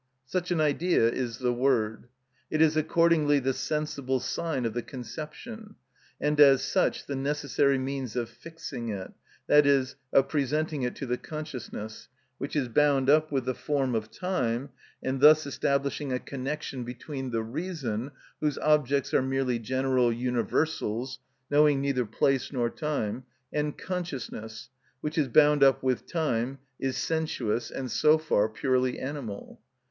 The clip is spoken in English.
Such an idea is the word. It is accordingly the sensible sign of the conception, and as such the necessary means of fixing it, that is, of presenting it to the consciousness, which is bound up with the form of time, and thus establishing a connection between the reason, whose objects are merely general universals, knowing neither place nor time, and consciousness, which is bound up with time, is sensuous, and so far purely animal.